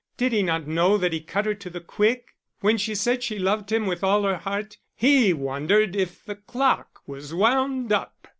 Did he not know that he cut her to the quick? When she said she loved him with all her heart, he wondered if the clock was wound up!